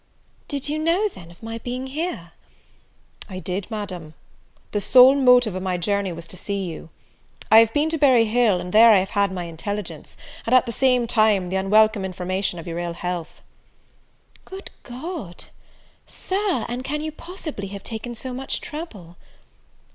"Did you know, then, of my being here?" "I did, Madam; the sole motive of my journey was to see you. I have been to Berry Hill, and there I had my intelligence, and, at the same time, the unwelcome information of your ill health." "Good God! Sir, and can you possibly have taken so much trouble?"